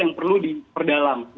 yang perlu diperdalam